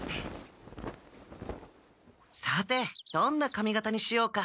さてどんな髪形にしようか？